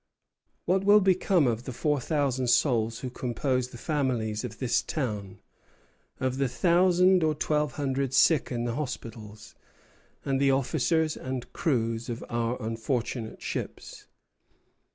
What will become of the four thousand souls who compose the families of this town, of the thousand or twelve hundred sick in the hospitals, and the officers and crews of our unfortunate ships?